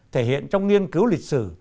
thể hiện trong nghiên cứu lịch sử